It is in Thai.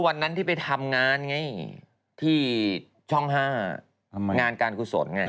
วันนั้นที่ไปทำงานไงที่ช่อง๕งานการกุศลไง